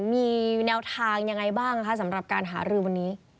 มีแนวทางยังไงบ้างคะสำหรับการหารือวันนี้